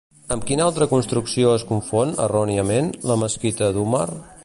Amb quina altra construcció es confon, erròniament, la Mesquita d'Úmar?